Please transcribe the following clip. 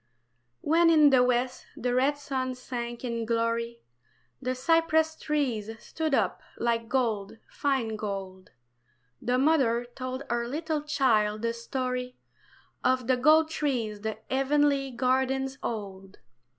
WHEN in the west the red sun sank in glory, The cypress trees stood up like gold, fine gold; The mother told her little child the story Of the gold trees the heavenly gardens hold.